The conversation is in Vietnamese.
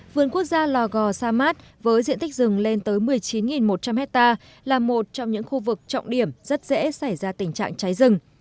vườn quốc gia lò gò sa mát với diện tích rừng lên tới một mươi chín một trăm linh hectare là một trong những khu vực trọng điểm rất dễ xảy ra tình trạng cháy rừng